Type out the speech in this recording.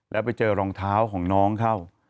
แล้วไปเจอรองเท้าของน้องเข้า